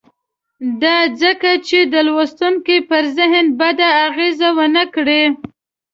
دا ځکه چې د لوستونکي پر ذهن بده اغېزه ونه کړي.